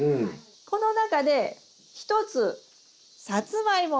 この中で１つさつまいも。